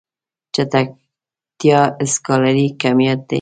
چټکتيا سکالري کميت دی.